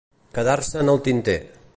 Quedar-se en el tinter.